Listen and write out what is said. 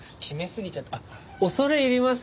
「はい」あっ恐れ入ります。